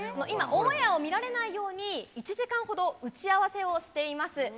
今、オンエアを見られないように、１時間ほど打ち合わせをしています。